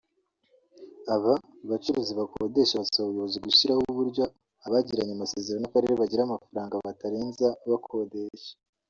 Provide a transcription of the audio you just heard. Aba bacuruzi bakodesha basaba ubuyobozi gushyiraho uburyo abagiranye amasezerano n’akarere bagira amafaranga batarenza bakodesha